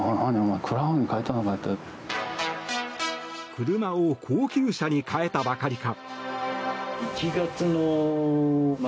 車を高級車に替えたばかりか。